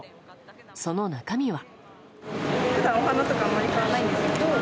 その中身は。